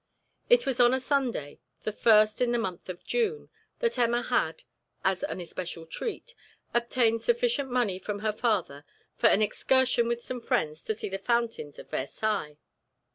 It was on a Sunday, the first in the month of June, that Emma had, as an especial treat, obtained sufficient money from her father for an excursion with some friends to see the fountains of Versailles.